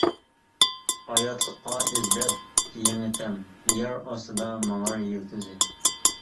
ھاياتلىققا ئىزدەپ يېڭى تەم، يەر ئاستىدا ماڭار يىلتىزى.